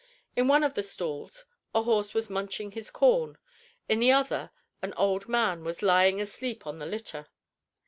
In one of the stalls a horse was munching his corn; in the other an old man was lying asleep on the litter.